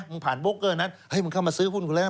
ผ่านโบกเกอร์นั้นให้มึงเข้ามาซื้อหุ้นกูแล้ว